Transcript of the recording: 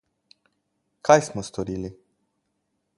Kaj smo storili?